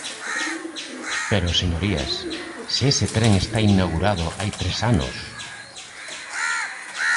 Pero, señorías, ¡se ese tren está inaugurado hai tres anos!